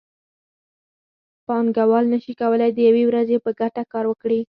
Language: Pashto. پانګوال نشي کولی د یوې ورځې په ګټه کار وکړي